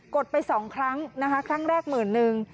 ดไป๒ครั้งนะคะครั้งแรกหมื่นนึง